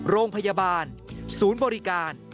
โรงพยาบาลศูนย์บริการ